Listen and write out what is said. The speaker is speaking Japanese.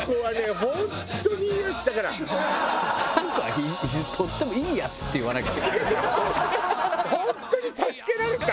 あんこはとってもいいヤツって言わなかった？